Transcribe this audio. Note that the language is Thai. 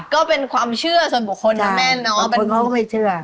ก็เป็นความเชื่อส่วนบุคคลนะแม่เนอะ